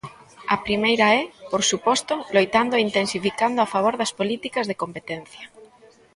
A primeira é, por suposto, loitando e intensificando a favor das políticas de competencia.